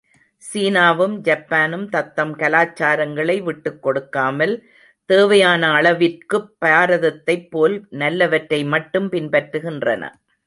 சீனாவும் ஜப்பானும் தத்தம் கலாச்சாரங்களை விட்டுக் கொடுக்காமல் தேவையான அளவிற்குப் பாரதத்தைப் போல் நல்லவற்றை மட்டும் பின்பற்றுகின்றன.